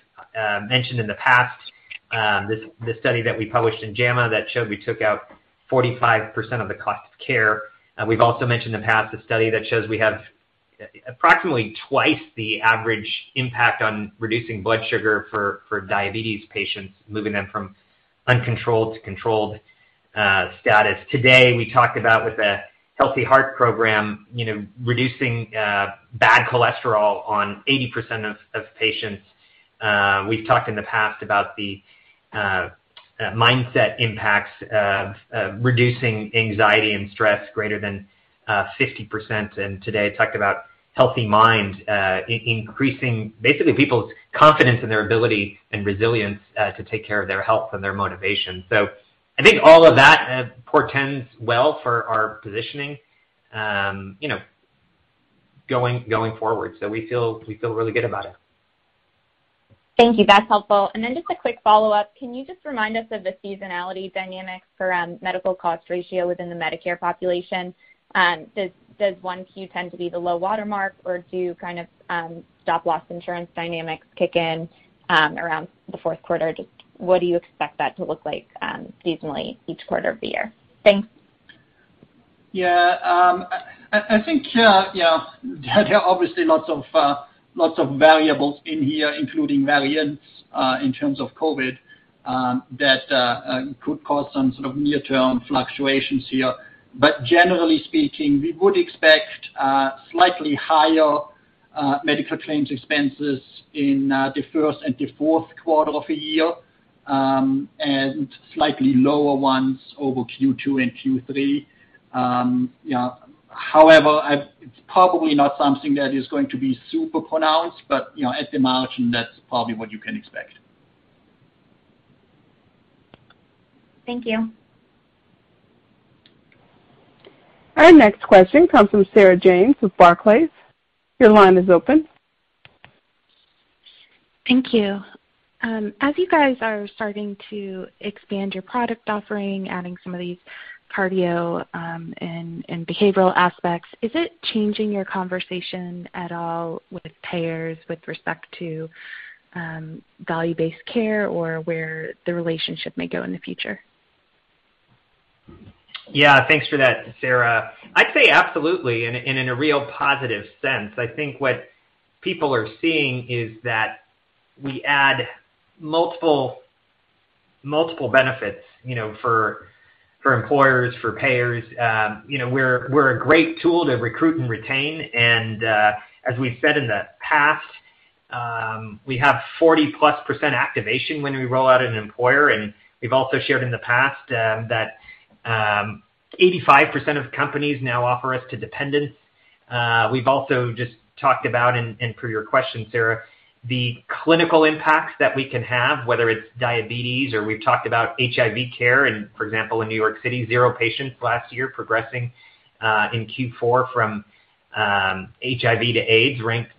mentioned in the past the study that we published in JAMA that showed we took out 45% of the cost of care. We've also mentioned in the past the study that shows we have approximately twice the average impact on reducing blood sugar for diabetes patients, moving them from uncontrolled to controlled status. Today, we talked about with the Healthy Heart program, you know, reducing bad cholesterol on 80% of patients. We've talked in the past about the Mindset impacts of reducing anxiety and stress greater than 50%. Today, talked about Healthy Mind, increasing basically people's confidence in their ability and resilience to take care of their health and their motivation. I think all of that portends well for our positioning, you know, going forward. We feel really good about it. Thank you. That's helpful. Just a quick follow-up. Can you just remind us of the seasonality dynamics around medical cost ratio within the Medicare population? Does one Q tend to be the low watermark, or do kind of stop-loss insurance dynamics kick in around the fourth quarter? Just what do you expect that to look like, seasonally each quarter of the year? Thanks. I think there are obviously lots of variables in here, including variance in terms of COVID that could cause some sort of near-term fluctuations here. Generally speaking, we would expect slightly higher medical claims expenses in the first and the fourth quarter of a year, and slightly lower ones over Q2 and Q3. However, it's probably not something that is going to be super pronounced, but you know, at the margin, that's probably what you can expect. Thank you. Our next question comes from Sarah James with Barclays. Your line is open. Thank you. As you guys are starting to expand your product offering, adding some of these cardio and behavioral aspects, is it changing your conversation at all with payers with respect to value-based care or where the relationship may go in the future? Yeah. Thanks for that, Sarah. I'd say absolutely, in a real positive sense. I think what people are seeing is that we add multiple benefits, you know, for employers, for payers. You know, we're a great tool to recruit and retain and, as we've said in the past, we have 40+% activation when we roll out an employer. We've also shared in the past, that 85% of companies now offer us to dependents. We've also just talked about and, per your question, Sarah, the clinical impacts that we can have, whether it's diabetes or we've talked about HIV care. For example, in New York City, 0 patients last year progressing in Q4 from HIV to AIDS ranked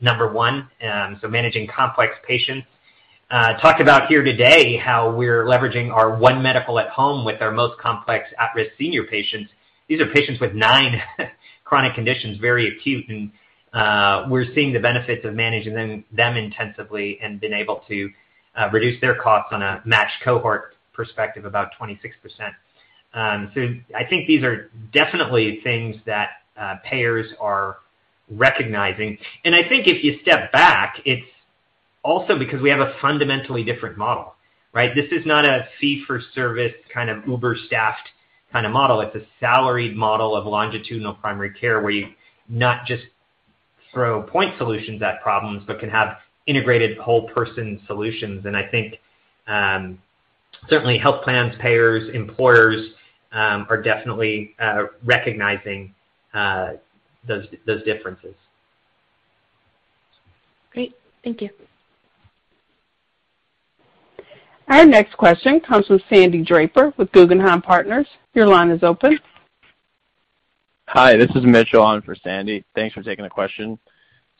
number one. So managing complex patients. Talked about here today how we're leveraging our One Medical At Home with our most complex At-Risk senior patients. These are patients with nine chronic conditions, very acute, and we're seeing the benefits of managing them intensively and been able to reduce their costs on a matched cohort perspective, about 26%. So I think these are definitely things that payers are recognizing. I think if you step back, it's also because we have a fundamentally different model, right? This is not a fee for service kind of overstaffed kind of model. It's a salaried model of longitudinal primary care where you not just throw point solutions at problems, but can have integrated whole person solutions. Certainly health plans, payers, employers are definitely recognizing those differences. Great. Thank you. Our next question comes from Sandy Draper with Guggenheim Partners. Your line is open. Hi, this is Mitchell on for Sandy. Thanks for taking the question.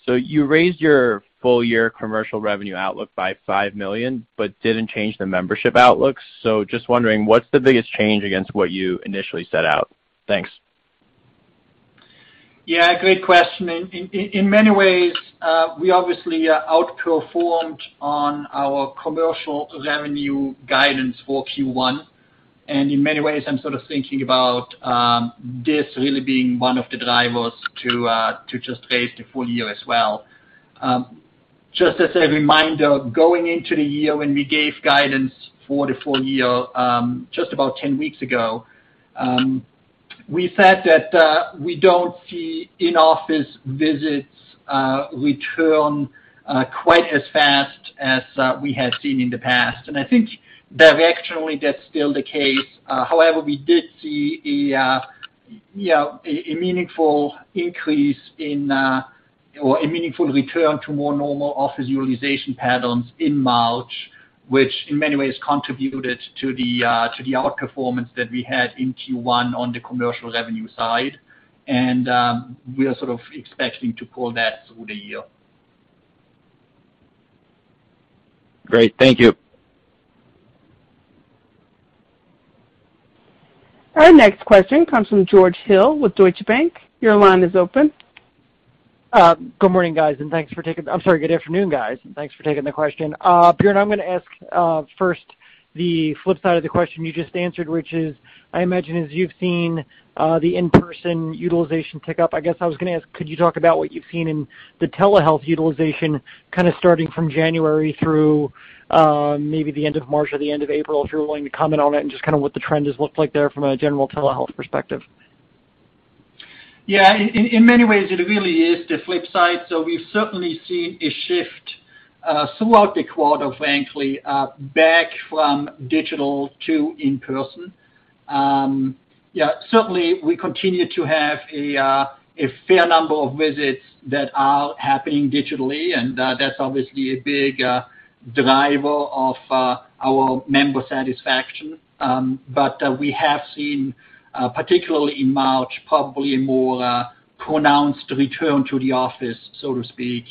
You raised your full year commercial revenue outlook by $5 million, but didn't change the membership outlook. Just wondering what's the biggest change against what you initially set out? Thanks. Yeah, great question. In many ways, we obviously outperformed on our commercial revenue guidance for Q1. In many ways, I'm sort of thinking about this really being one of the drivers to just raise the full year as well. Just as a reminder, going into the year when we gave guidance for the full year, just about 10 weeks ago, we said that we don't see in-office visits return quite as fast as we had seen in the past. I think directionally that's still the case. However, we did see, you know, a meaningful return to more normal office utilization patterns in March, which in many ways contributed to the outperformance that we had in Q1 on the commercial revenue side. We are sort of expecting to pull that through the year. Great. Thank you. Our next question comes from George Hill with Deutsche Bank. Your line is open. Good afternoon, guys, and thanks for taking the question. Bjorn, I'm gonna ask first the flip side of the question you just answered, which is, I imagine as you've seen, the in-person utilization pick up. I guess I was gonna ask, could you talk about what you've seen in the telehealth utilization kind of starting from January through maybe the end of March or the end of April, if you're willing to comment on it and just kind of what the trend has looked like there from a general telehealth perspective? Yeah. In many ways, it really is the flip side. We've certainly seen a shift throughout the quarter, frankly, back from digital to in-person. Certainly we continue to have a fair number of visits that are happening digitally, and that's obviously a big driver of our member satisfaction. We have seen particularly in March, probably a more pronounced return to the office, so to speak.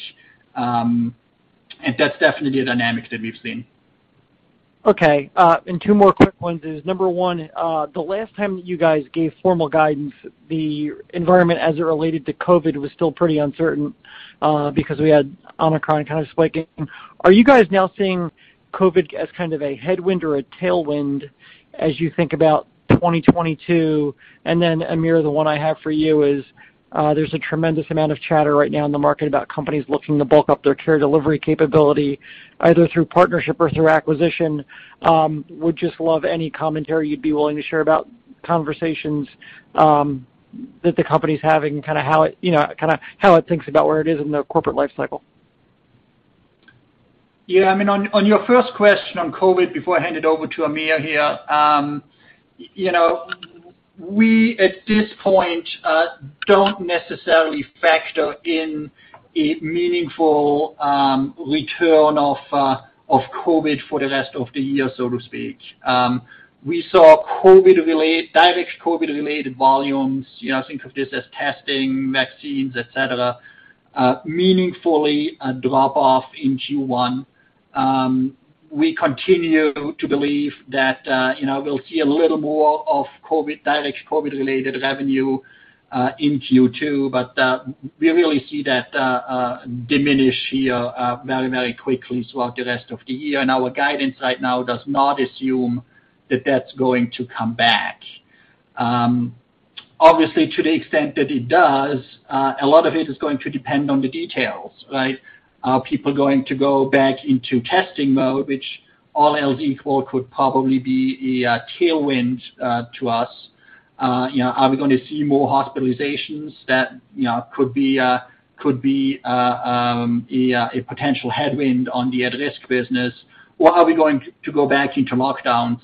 That's definitely a dynamic that we've seen. Okay. And two more quick ones is, number one, the last time that you guys gave formal guidance, the environment as it related to COVID was still pretty uncertain, because we had Omicron kind of spiking. Are you guys now seeing COVID as kind of a headwind or a tailwind as you think about 2022? Amir, the one I have for you is, there's a tremendous amount of chatter right now in the market about companies looking to bulk up their care delivery capability, either through partnership or through acquisition. Would just love any commentary you'd be willing to share about conversations that the company's having, kinda how it, you know, kinda how it thinks about where it is in their corporate life cycle. Yeah. I mean, on your first question on COVID, before I hand it over to Amir here, you know, we at this point don't necessarily factor in a meaningful return of COVID for the rest of the year, so to speak. We saw COVID-related, direct COVID-related volumes, you know, think of this as testing, vaccines, et cetera, meaningfully drop off in Q1. We continue to believe that, you know, we'll see a little more of COVID, direct COVID-related revenue in Q2, but we really see that diminish here very, very quickly throughout the rest of the year. Our guidance right now does not assume that that's going to come back. Obviously to the extent that it does, a lot of it is going to depend on the details, right? Are people going to go back into testing mode, which all else equal could probably be a tailwind to us. You know, are we gonna see more hospitalizations that, you know, could be a potential headwind on the At-Risk business, or are we going to go back into lockdown?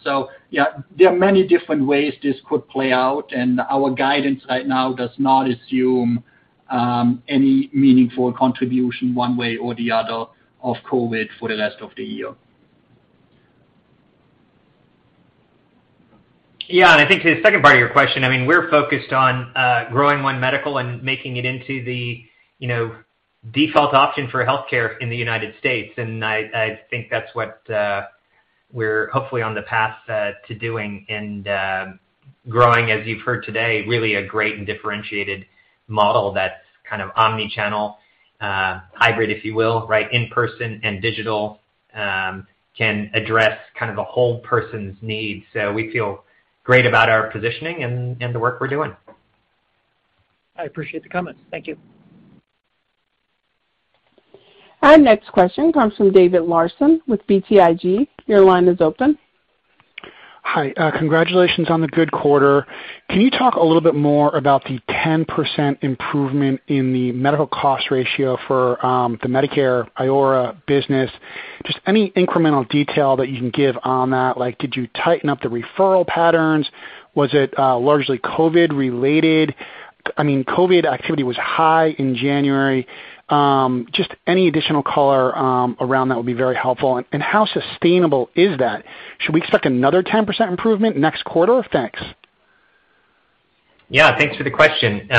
There are many different ways this could play out, and our guidance right now does not assume any meaningful contribution one way or the other of COVID for the rest of the year. Yeah. I think the second part of your question, I mean, we're focused on growing One Medical and making it into the, you know, default option for healthcare in the United States. I think that's what we're hopefully on the path to doing and growing, as you've heard today, really a great and differentiated model that's kind of omni-channel, hybrid, if you will, right? In-person and digital can address kind of a whole person's needs. We feel great about our positioning and the work we're doing. I appreciate the comment. Thank you. Our next question comes from David Larsen with BTIG. Your line is open. Hi, congratulations on the good quarter. Can you talk a little bit more about the 10% improvement in the medical cost ratio for the Medicare Iora business? Just any incremental detail that you can give on that. Like, did you tighten up the referral patterns? Was it largely COVID related? I mean, COVID activity was high in January. Just any additional color around that would be very helpful. How sustainable is that? Should we expect another 10% improvement next quarter? Thanks. Yeah, thanks for the question.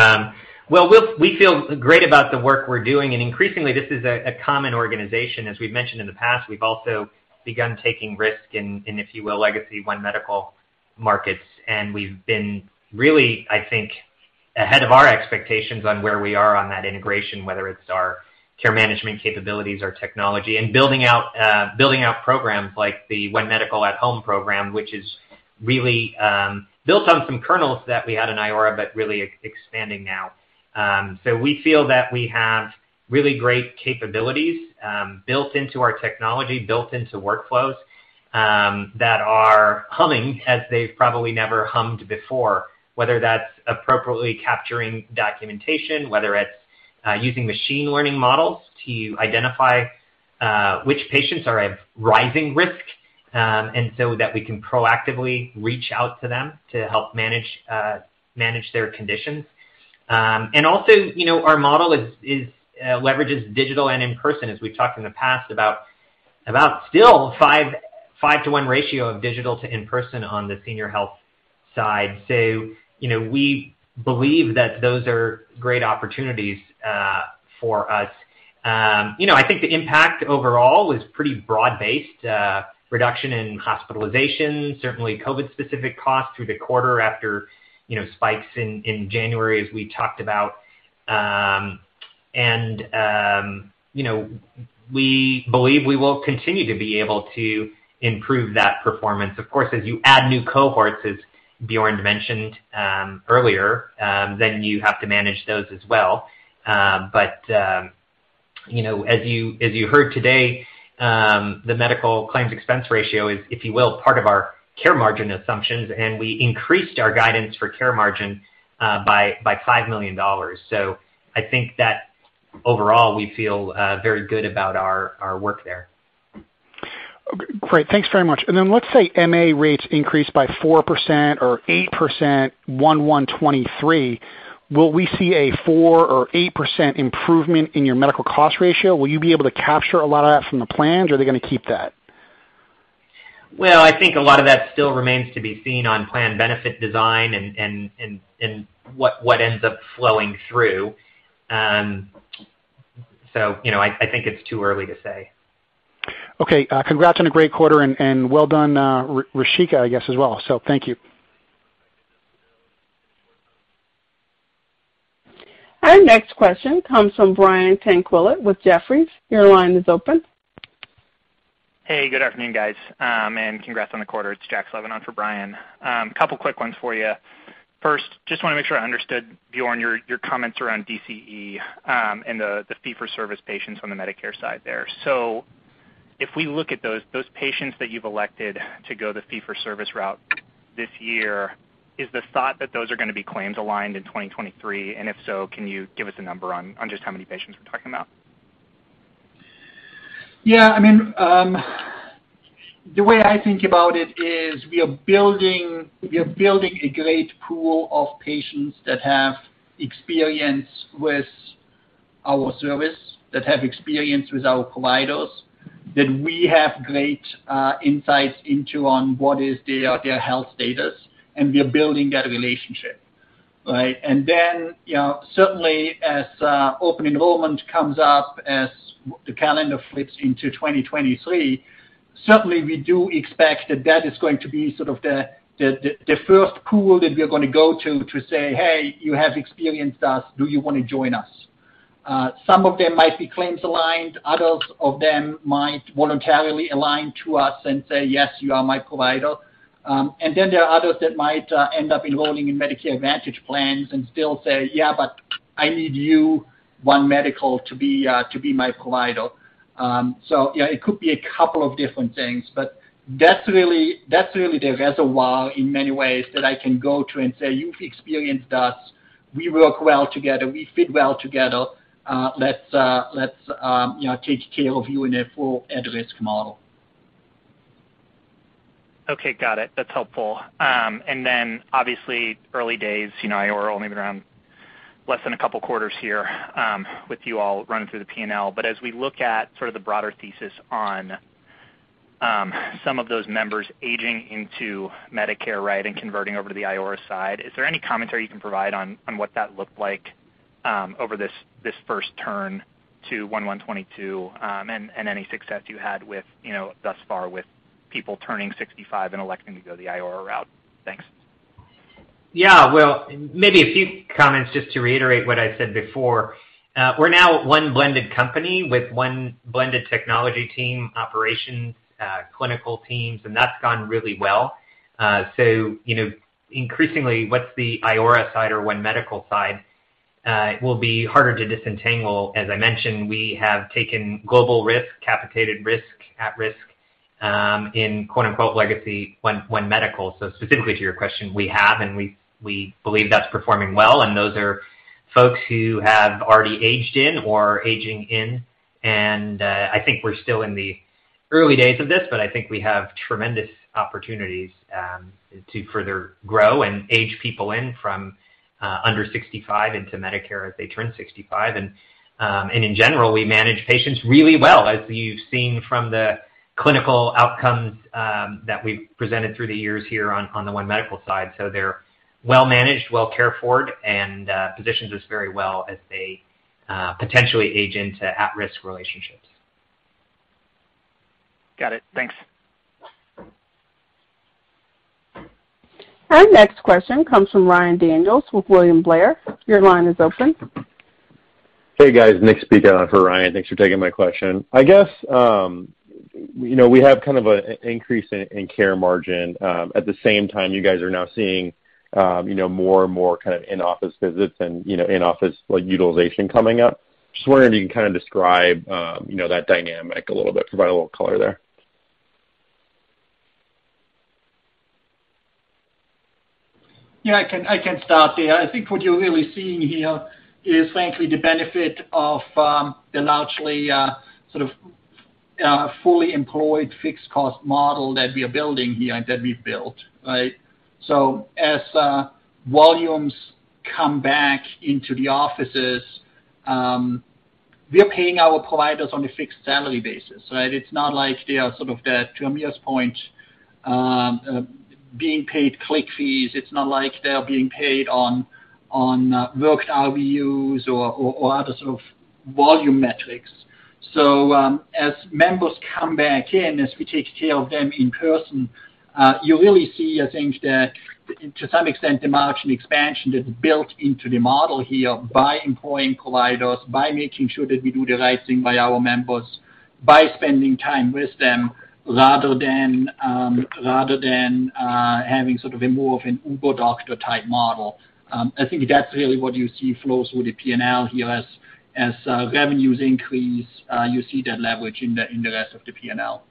Well, we feel great about the work we're doing, and increasingly this is a common organization. As we've mentioned in the past, we've also begun taking risk in, if you will, legacy One Medical markets. We've been really, I think, ahead of our expectations on where we are on that integration, whether it's our care management capabilities or technology and building out programs like the One Medical At Home program, which is really built on some kernels that we had in Iora, but really expanding now. So we feel that we have really great capabilities built into our technology, built into workflows, that are humming as they've probably never hummed before. Whether that's appropriately capturing documentation, whether it's using machine learning models to identify which patients are at rising risk, and so that we can proactively reach out to them to help manage their conditions. Also, you know, our model leverages digital and in-person, as we've talked in the past about still five to one ratio of digital to in-person on the senior health side. You know, we believe that those are great opportunities for us. You know, I think the impact overall is pretty broad-based reduction in hospitalizations, certainly COVID-specific costs through the quarter after spikes in January as we talked about. You know, we believe we will continue to be able to improve that performance. Of course, as you add new cohorts, as Bjorn mentioned earlier, then you have to manage those as well. You know, as you heard today, the Medical Claims Expense Ratio is, if you will, part of our Care Margin assumptions, and we increased our guidance for Care Margin by $5 million. I think that overall we feel very good about our work there. Great. Thanks very much. Let's say MA rates increase by 4% or 8% in Q1 2023. Will we see a 4% or 8% improvement in your medical cost ratio? Will you be able to capture a lot of that from the plans, or are they gonna keep that? Well, I think a lot of that still remains to be seen on plan benefit design and what ends up flowing through. You know, I think it's too early to say. Okay. Congrats on a great quarter and well done, Rishika, I guess as well so, thank you. Our next question comes from Brian Tanquilut with Jefferies. Your line is open. Hey, good afternoon, guys. Congrats on the quarter. It's Jack Slevin on for Brian. Couple quick ones for you. First, just wanna make sure I understood, Bjorn, your comments around DCE, and the fee-for-service patients on the Medicare side there. If we look at those patients that you've elected to go the fee-for-service route this year, is the thought that those are gonna be claims aligned in 2023? If so, can you give us a number on just how many patients we're talking about? Yeah. I mean, the way I think about it is we are building a great pool of patients that have experience with our service, that have experience with our providers, that we have great insights into on what is their health status, and we are building that relationship, right? You know, certainly as open enrollment comes up, as the calendar flips into 2023, certainly we do expect that that is going to be sort of the first pool that we're gonna go to to say, "Hey, you have experienced us. Do you wanna join us? Some of them might be claims aligned, others of them might voluntarily align to us and say, "Yes, you are my provider." Then there are others that might end up enrolling in Medicare Advantage plans and still say, "Yeah, but I need you, One Medical, to be my provider." Yeah, it could be a couple of different things, but that's really the reservoir in many ways that I can go to and say, "You've experienced us. We work well together. We fit well together. Let's you know, take care of you in a full At-Risk model. Okay. Got it. That's helpful. Obviously, early days, you know, Iora only been around less than a couple quarters here, with you all running through the P&L. As we look at sort of the broader thesis on some of those members aging into Medicare, right, and converting over to the Iora side, is there any commentary you can provide on what that looked like over this first turn to Q1 2022, and any success you had with, you know, thus far with people turning 65 and electing to go the Iora route? Thanks. Yeah. Well, maybe a few comments just to reiterate what I said before. We're now one blended company with one blended technology team, operations, clinical teams, and that's gone really well. So you know, increasingly, what's the Iora side or One Medical side, will be harder to disentangle. As I mentioned, we have taken global risk, capitated risk at risk, in quote-unquote legacy One Medical. So specifically to your question, we believe that's performing well, and those are folks who have already aged in or are aging in. I think we're still in the early days of this, but I think we have tremendous opportunities, to further grow and age people in from under 65 into Medicare as they turn 65. In general, we manage patients really well, as you've seen from the clinical outcomes that we've presented through the years here on the One Medical side. They're well managed, well cared for, and positions us very well as they potentially age into At-Risk relationships. Got it. Thanks. Our next question comes from Ryan Daniels with William Blair. Your line is open. Hey, guys. Nick speaking on for Ryan. Thanks for taking my question. I guess, you know, we have kind of a increase in in Care Margin. At the same time, you guys are now seeing, you know, more and more kind of in-office visits and, you know, in-office, like, utilization coming up. Just wondering if you can kinda describe, you know, that dynamic a little bit. Provide a little color there. Yeah. I can start there. I think what you're really seeing here is frankly the benefit of the largely sort of fully employed fixed cost model that we are building here and that we've built, right? As volumes come back into the offices, we are paying our providers on a fixed salary basis, right? It's not like they are sort of the, to Amir's point, being paid click fees. It's not like they are being paid on worked RVUs or other sort of volume metrics. As members come back in, as we take care of them in person, you really see, I think, that to some extent, the margin expansion that's built into the model here by employing providers, by making sure that we do the right thing by our members, by spending time with them rather than having sort of a more of an Uber doctor type model. I think that's really what you see flow through the P&L here. Revenues increase, you see that leverage in the rest of the P&L.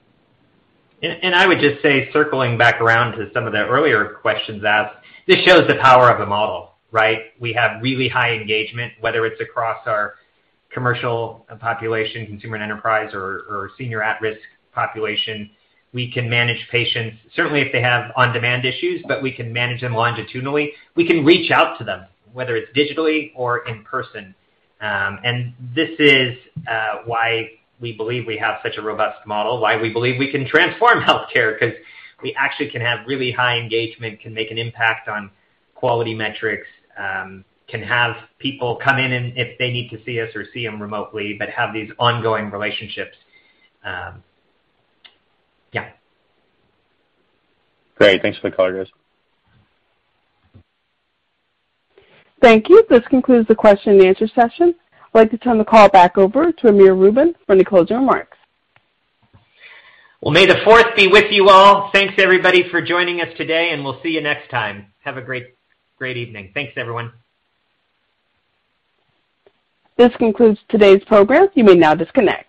I would just say, circling back around to some of the earlier questions asked, this shows the power of the model, right? We have really high engagement, whether it's across our commercial population, Consumer and Enterprise or senior At-Risk population. We can manage patients certainly if they have on-demand issues, but we can manage them longitudinally. We can reach out to them, whether it's digitally or in person. This is why we believe we have such a robust model, why we believe we can transform healthcare, 'cause we actually can have really high engagement, can make an impact on quality metrics, can have people come in and if they need to see us or see them remotely, but have these ongoing relationships. Yeah. Great. Thanks for the color, guys. Thank you. This concludes the question and answer session. I'd like to turn the call back over to Amir Rubin for any closing remarks. Well, May the 4th be with you all. Thanks, everybody, for joining us today, and we'll see you next time. Have a great evening. Thanks, everyone. This concludes today's program. You may now disconnect.